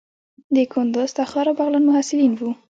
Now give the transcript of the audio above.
د کندوز، تخار او بغلان محصلین وو.